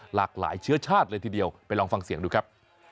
หลากหลายเชื้อชาติเลยทีเดียวไปลองฟังเสียงดูครับ